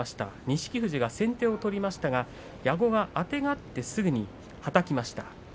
錦富士が先手を取りましたが矢後があてがってすぐにはたきました。